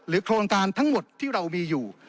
โครงการทั้งหมดที่เรามีอยู่